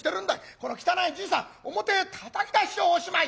この汚いじいさん表へたたき出しておしまい！」。